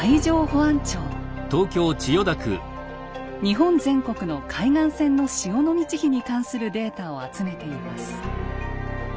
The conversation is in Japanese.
日本全国の海岸線の潮の満ち干に関するデータを集めています。